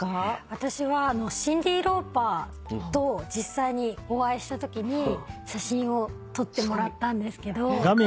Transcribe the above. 私はシンディ・ローパーと実際にお会いしたときに写真を撮ってもらったんですけど。わカワイイ。